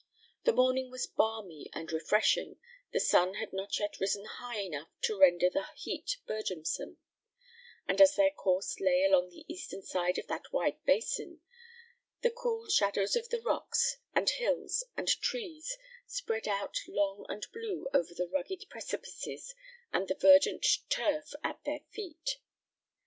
The morning was balmy and refreshing, the sun had not yet risen high enough to render the heat burdensome; and as their course lay along the eastern side of that wide basin, the cool shadows of the rocks, and hills, and trees, spread out long and blue over the rugged precipices and the verdant turf at their feet.